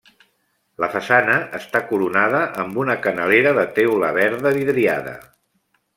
La façana està coronada amb una canalera de teula verda vidriada.